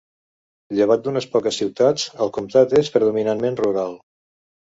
Llevat d'unes poques ciutats el comtat és predominantment rural.